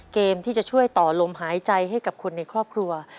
เกมที่จะช่วยต่อลมหายใจให้กับคนในครอบครัว